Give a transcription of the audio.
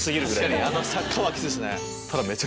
確かにあの坂はきついっすね。